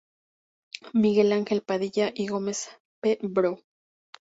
Miguel Ángel Padilla y Gómez, Pbro.